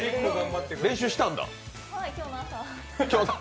練習したんだ。